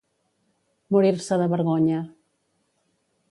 Morir-se de vergonya.